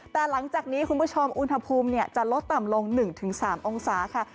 แต่หลังจากนี้คุณผู้ชมอุณหภูมิจะลดต่ำลง๑๓องศาค่ะ